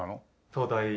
東大。